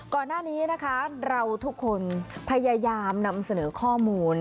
ก่อนหน้านี้นะคะเราทุกคนพยายามนำเสนอข้อมูล